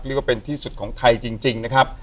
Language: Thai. เรียกว่าเป็นที่สุดของไทยจริงนะครับ